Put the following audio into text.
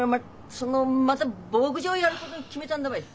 そのまた牧場やることに決めたんだわい。